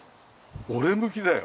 俺向きだよ。